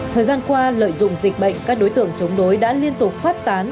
thời gian qua lợi dụng dịch bệnh các đối tượng chống đối đã liên tục phát tán